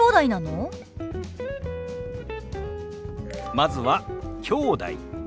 まずは「きょうだい」。